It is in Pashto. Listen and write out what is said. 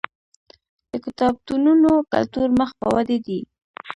د کتابتونونو کلتور مخ په ودې دی.